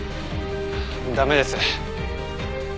駄目です。